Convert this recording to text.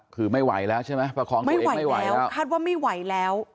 คือไม่ไหวแล้วใช่ไหมประคองไม่ไหวแล้วคาดว่าไม่ไหวแล้ว